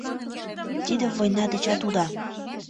ТИДЕ ВОЙНА ДЕЧАТ УДА